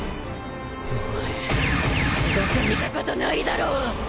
お前地獄見たことないだろ。